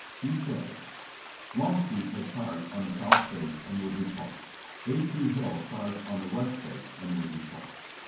He says : "Longstreet had charged on the south face and was repulsed. A. P. Hill charged on the west face and was repulsed.